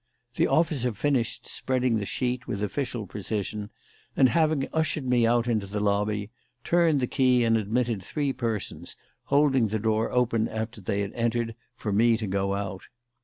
The officer finished spreading the sheet with official precision, and having ushered me out into the lobby, turned the key and admitted three persons, holding the door open after they had entered for me to go out.